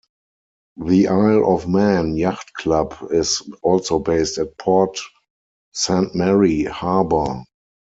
The Isle of Man Yacht Club is also based at Port Saint Mary harbour.